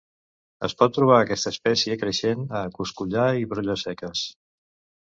Es pot trobar aquesta espècie creixent a coscollar i brolles seques.